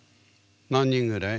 何人ぐらい？